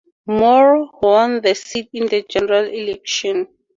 Moore won the seat in the general election.